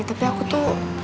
tapi aku tuh